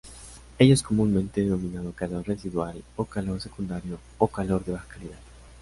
Ello es comúnmente denominado calor residual o "calor secundario", o "calor de baja calidad".